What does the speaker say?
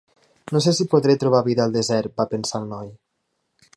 No sé si podré trobar vida al desert, va pensar el noi.